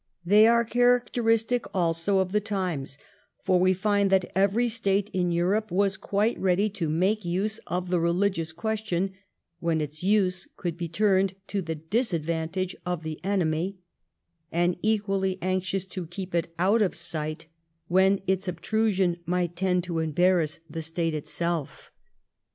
They were characteristic also of the times, for we find that every State in Europe was quite ready to make use of the reUgious question when its use could be turned to the disadvantage of the enemy, and equally anxious to keep it out of sight when its obtrusion might tend to embarrass the State itself.